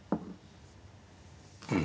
うん。